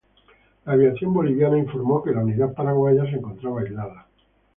La aviación boliviana informó que la unidad paraguaya se encontraba aislada.